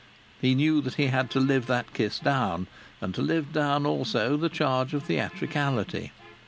He knew that he had to live that kiss down, and to live down also the charge of theatricality.